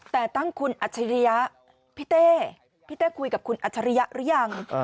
แต่ตั้งคุณอัจฉริยะพี่เต้พี่เต้คุยกับคุณอัจฉริยะหรือยัง